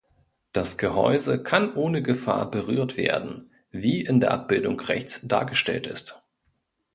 Das Gehäuse kann ohne Gefahr berührt werden, wie in der Abbildung rechts dargestellt ist.